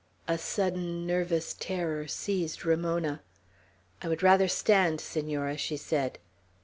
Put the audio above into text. A sudden nervous terror seized Ramona. "I would rather stand, Senora," she said.